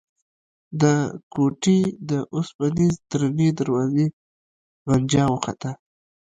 د کوټې د اوسپنيزې درنې دروازې غنجا وخته.